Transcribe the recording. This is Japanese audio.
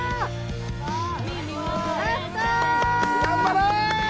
頑張れ！